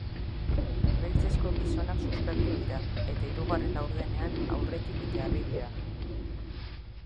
Beltzezko gizonak suspertu dira, eta hirugarren laurdenean aurretik jarri dira.